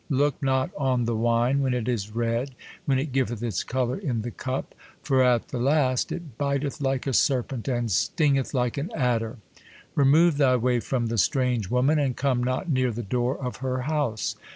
Look not on the wine when it is red, when it giveth its colour in the cup ; for at the last, it biteth like a serpent, and sting eth like an adder. Remove thy vv ay from the strange vvoman, and come not near the door of her house.